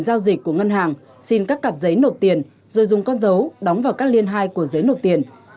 giao dịch của ngân hàng xin các cặp giấy nộp tiền rồi dùng con dấu đóng vào các liên hai của giới nộp tiền